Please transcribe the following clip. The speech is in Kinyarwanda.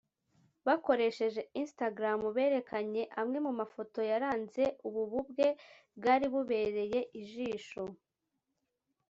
bakoresheje Instagram berekanye amwe mu mafoto yaranze ubu bubwe bwari bubereye ijisho